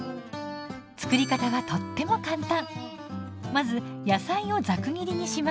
つくり方はとっても簡単！